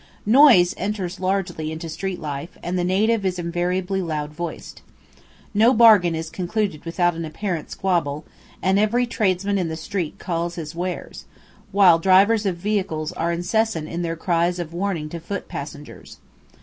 Noise enters largely into street life, and the native is invariably loud voiced. No bargain is concluded without an apparent squabble, and every tradesman in the street calls his wares, while drivers of vehicles are incessant in their cries of warning to foot passengers.